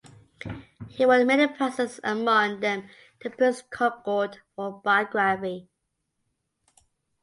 He won many prizes among them the Prix Goncourt for biography.